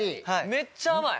めっちゃ甘い。